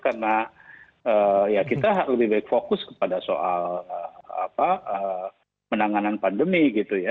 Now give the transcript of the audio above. karena ya kita lebih baik fokus kepada soal apa menanganan pandemi gitu ya